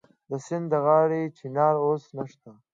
د سیند د غاړې چنار اوس نشته